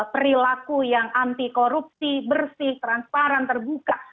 perilaku yang anti korupsi bersih transparan terbuka